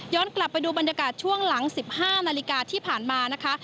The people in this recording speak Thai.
กลับไปดูบรรยากาศช่วงหลัง๑๕นาฬิกาที่ผ่านมานะคะ